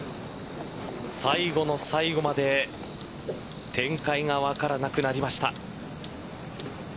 最後の最後まで展開が分からなくなりました。